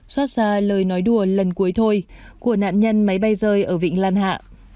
xoát ra lời nói đùa lần cuối thôi của nạn nhân máy bay rơi ở vịnh lan hạ